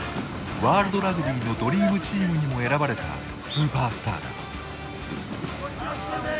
ワールドラグビーのドリームチームにも選ばれたスーパースターだ。